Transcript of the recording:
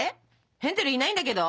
ヘンゼルいないんだけど？